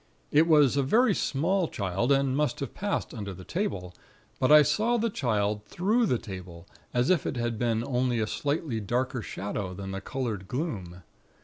It was a very small Child, and must have passed under the table; but I saw the Child through the table, as if it had been only a slightly darker shadow than the colored gloom.